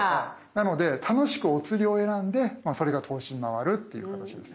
なので楽しくおつりを選んでそれが投資に回るっていう形ですね。